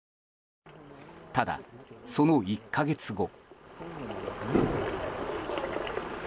ただ、その１か月後。